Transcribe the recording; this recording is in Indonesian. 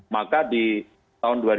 maka di tahun dua ribu dua puluh